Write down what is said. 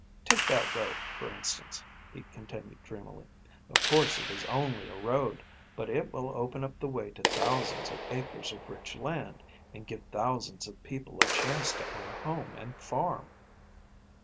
Take that road, for instance," he continued dreamily, "of course it is only a road, but it will open up the way to thousands of acres of rich land, and give thousands of people a chance to own a home and farm."